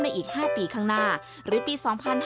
อีก๕ปีข้างหน้าหรือปี๒๕๕๙